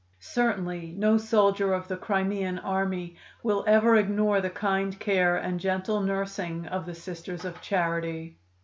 Certainly, no soldier of the Crimean army will ever ignore the kind care and gentle nursing of the Sisters of Charity.